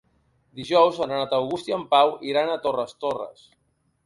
Dijous en Renat August i en Pau iran a Torres Torres.